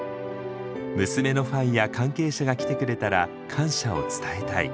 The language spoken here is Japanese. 「娘のファンや関係者が来てくれたら感謝を伝えたい」。